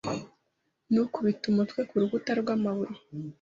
Ntukubite umutwe kurukuta rwamabuye.